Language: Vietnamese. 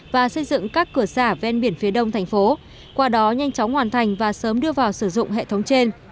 và xây dựng các cửa xả ven biển phía đông thành phố qua đó nhanh chóng hoàn thành và sớm đưa vào sử dụng hệ thống trên